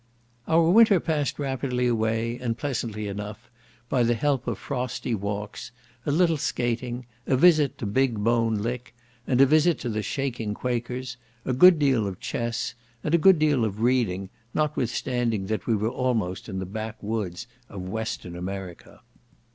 Our winter passed rapidly away, and pleasantly enough, by the help of frosty walks, a little skaiting, a visit to Big Bone Lick, and a visit to the shaking Quakers, a good deal of chess, and a good deal of reading, notwithstanding we were almost in the back woods of Western America.